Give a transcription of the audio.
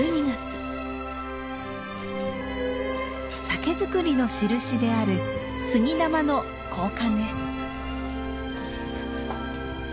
酒造りの印である杉玉の交換です。